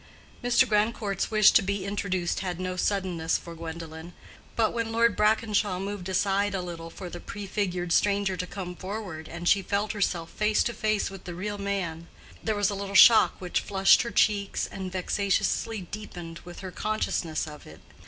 Mr. Grandcourt's wish to be introduced had no suddenness for Gwendolen; but when Lord Brackenshaw moved aside a little for the prefigured stranger to come forward and she felt herself face to face with the real man, there was a little shock which flushed her cheeks and vexatiously deepened with her consciousness of it.